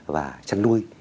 và chăn nuôi